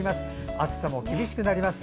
暑さも厳しくなります。